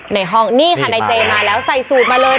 ในห้องนี่ค่ะนายเจมาแล้วใส่สูตรมาเลย